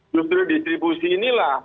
justru distribusi inilah